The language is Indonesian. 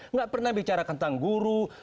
nggak pernah bicara tentang guru